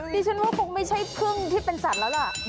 ดิฉันว่าคงไม่ใช่พึ่งที่เป็นสัตว์แล้วล่ะ